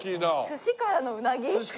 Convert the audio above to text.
寿司からのうなぎ。